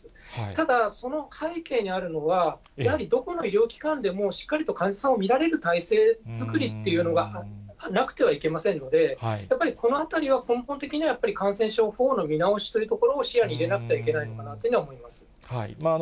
ただ、その背景にあるのは、やはりどこの医療機関でも、しっかりと患者さんを診られる体制づくりっていうのがなくてはいけませんので、やっぱりこのあたりは根本的には、やっぱり感染症法の見直しというのも視野に入れなくてはいけないのかなというふうには思います。